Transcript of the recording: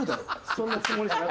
そんなつもりじゃ。